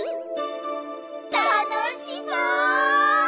たのしそう！